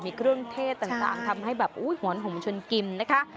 มีเครื่องเทศต่างทำให้แบบหอนห่มชวนกินนะคะ